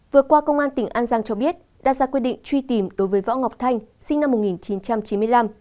vừa qua công an tỉnh an giang cho biết đã ra quyết định truy tìm đối với võ ngọc thanh sinh năm một nghìn chín trăm chín mươi năm